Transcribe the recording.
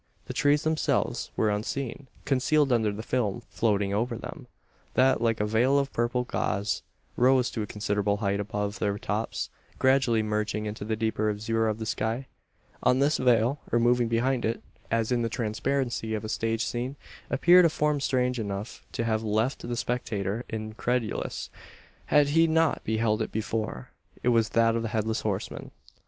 The trees themselves were unseen concealed under the film floating over them, that like a veil of purple gauze, rose to a considerable height above their tops gradually merging into the deeper azure of the sky. On this veil, or moving behind it as in the transparencies of a stage scene appeared a form strange enough to have left the spectator incredulous, had he not beheld it before. It was that of the Headless Horseman.